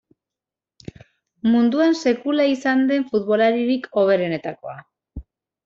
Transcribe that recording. Munduan sekula izan den futbolaririk hoberenetakoa.